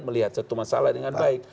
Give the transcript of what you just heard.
melihat satu masalah dengan baik